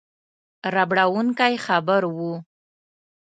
ربړوونکی خبر وو.